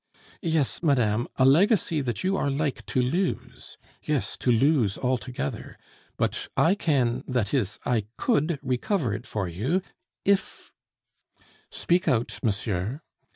"Yes, madame, a legacy that you are like to lose; yes, to lose altogether; but I can, that is, I could, recover it for you, if " "Speak out, monsieur."